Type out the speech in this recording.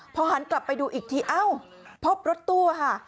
พอหันกลับไปดูอีกทีเอ้าพบรถตู้ค่ะ